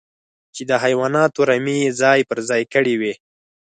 چې د حيواناتو رمې يې ځای پر ځای کړې وې.